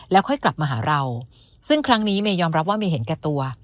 ค่อยกลับมาหาเราซึ่งครั้งนี้เมยอมรับว่าเมย์เห็นแก่ตัว